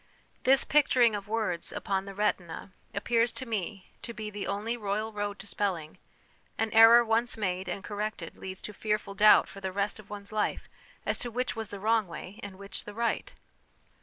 This picturing of words upon the retina appears to me to be the only royal road to spelling ; an error once made and corrected leads to fearful doubt for the rest of one's life, as to which was the wrong way and which the right.